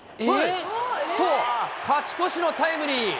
勝ち越しのタイムリー。